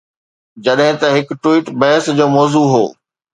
جڏهن ته هڪ ٽوئيٽ بحث جو موضوع هو.